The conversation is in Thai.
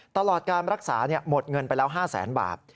ตลอดการรักษาหมดเงินไปแล้ว๕แสนบาท